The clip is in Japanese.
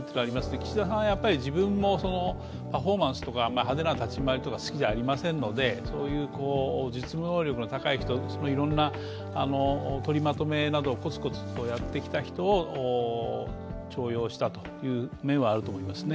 岸田さん、自分もパフォーマンスとか派手な立ち回りとか好きじゃありませんのでそういう実務能力の高い人いろんな取りまとめなどをコツコツとやってきた人を重用したという面はあると思いますね。